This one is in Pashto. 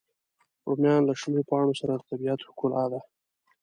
رومیان له شنو پاڼو سره د طبیعت ښکلا ده